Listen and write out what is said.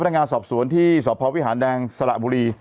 นักงานสอบสวนที่สพวิหารแดงสระบุรี